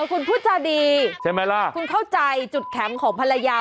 คุณพูดจาดีใช่ไหมล่ะคุณเข้าใจจุดแข็งของภรรยา